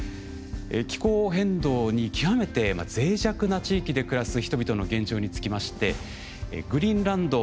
気候変動に極めて脆弱な地域で暮らす人々の現状につきましてグリーンランド